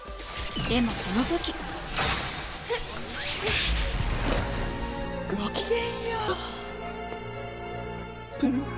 でもその時ごきげんようプリンセス。